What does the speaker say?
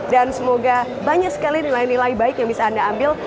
dan semoga banyak sekali nilai nilai baik yang bisa anda ambil